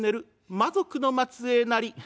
魔族の末裔なり」。